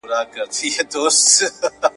د ادب په تقریباً هره ساحه کي ,